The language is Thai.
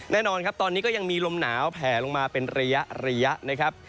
แน่นอนครับตอนนี้ก็ยังมีลมหนาวแผลลงมาเป็นระยะนะครับ